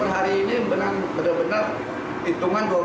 hari ini benar benar